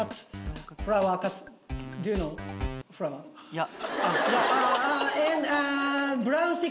いや。